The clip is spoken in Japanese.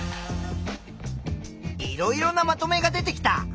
いろいろなまとめが出てきた！